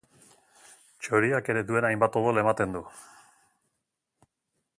Txoriak ere duen hainbat odol ematen du.